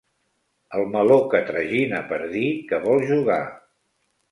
El meló que tragina per dir que vol jugar.